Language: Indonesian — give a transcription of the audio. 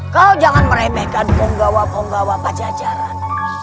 kau jangan meremehkan ponggawa ponggawa pajajaran